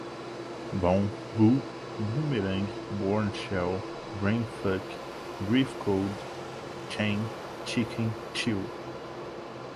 bon, boo, boomerang, bourne shell, brainfuck, brief code, chain, chicken, chill